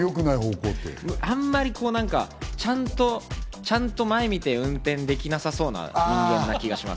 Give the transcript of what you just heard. あんまりちゃんと前に見て運転できなさそうな気がします。